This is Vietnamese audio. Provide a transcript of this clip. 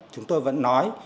chúng tôi vẫn nói